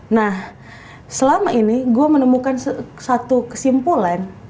nah selama ini gue menemukan satu kesimpulan